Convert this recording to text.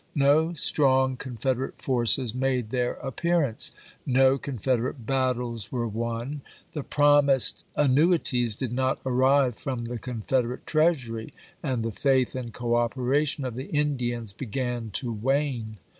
No strong Confederate forces made their appearance ; no Confederate battles were won; the promised annuities did not arrive from the Confederate Treasury; and the faith and cooperation of the Indians began to wane.